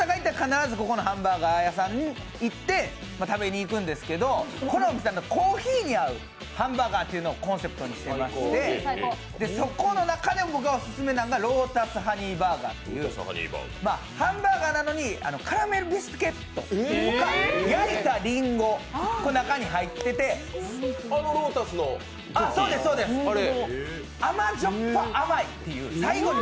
僕、大阪行ったら必ずここのハンバーガー屋さんに食べに行くんですけどこのお店ではコーヒーに合うハンバーガーをコンセプトにしていましてそこの中で僕がオススメなのがロータスハニーバーガーっていうハンバーガーなのに、カラメルビスケットが焼いたりんごがあのロータスのあれ？